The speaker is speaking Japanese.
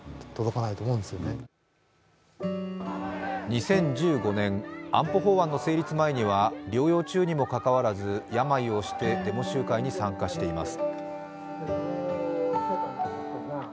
２０１５年、安保法案の成立前には療養中にもかかわらず、病をおしてデモ集会に参加しています。